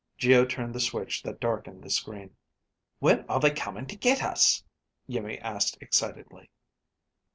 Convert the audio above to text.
Geo turned the switch that darkened the screen. "When are they coming to get us?" Iimmi asked excitedly.